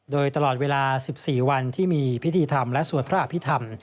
โดยตลอดเวลา๑๔วันที่มีพิธีธรรมและสวดพระอภิษฐรรม